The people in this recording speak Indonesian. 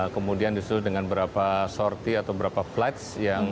kemudian disuruh dengan berapa sorti atau berapa flights